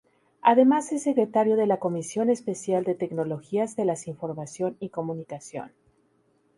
Además es Secretario de la Comisión Especial de Tecnologías de las Información y Comunicación.